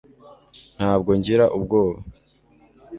ntabwo ngira ubwoba